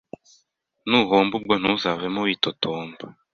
Nuhomba ubwo ntuzavemo witotomba